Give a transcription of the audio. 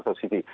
ya saya kira itu